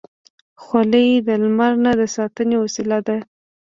خولۍ د لمر نه د ساتنې وسیله ده.